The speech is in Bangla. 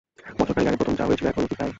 বছরখানিক আগে প্রথম যা হয়েছিল, এও কি তাই?